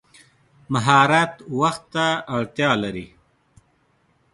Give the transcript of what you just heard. مهارت وخت ته اړتیا لري.